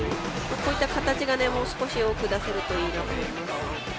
こういった形がもう少し多く出せるといいなと思います。